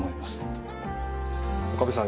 岡部さん